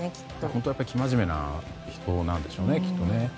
本当は生真面目な人なんでしょうね。